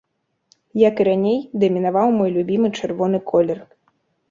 Як і раней, дамінаваў мой любімы чырвоны колер.